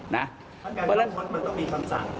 การค้นบ้านมันต้องมีคนสั่ง